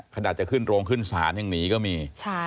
ขนาดจะขึ้นโรงขึ้นศาลยังหนีก็มี